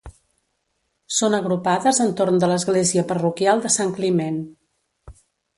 Són agrupades entorn de l'església parroquial de Sant Climent.